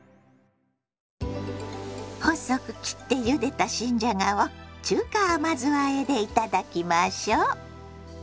細く切ってゆでた新じゃがを中華甘酢あえでいただきましょ。